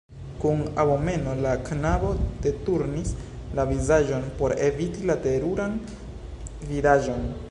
Kun abomeno la knabo deturnis la vizaĝon por eviti la teruran vidaĵon.